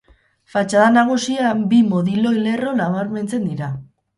Fatxada nagusian bi modiloi-lerro nabarmentzen dira.